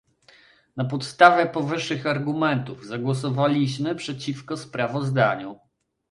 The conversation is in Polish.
Na podstawie powyższych argumentów, zagłosowaliśmy przeciwko sprawozdaniu